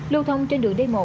lưu thông trên đường d một